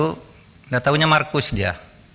tidak tahunya markus saja